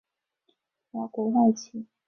辽国外戚。